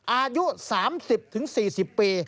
อายุ๓๐๔๐ปี